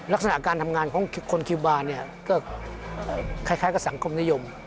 ลักษณะการทำงานของคนคิวบาร์เนี่ยก็คล้ายกับสังคมนิยม